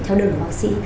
theo đường của bác sĩ